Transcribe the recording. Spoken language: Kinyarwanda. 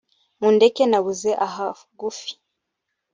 ”mundeke nabuze ahagufi